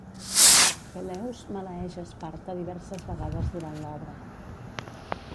Peleus maleeix a Esparta diverses vegades durant l'obra.